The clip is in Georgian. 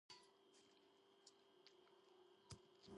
მთელი მოსახლეობა ცხოვრობს სანაპიროზე და მახლობელ კუნძულებზე.